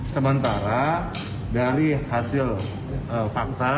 sementara dari hasil fakta